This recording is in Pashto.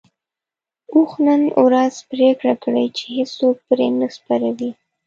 اوښ نن ورځ پرېکړه کړې چې هيڅوک پرې نه سپروي.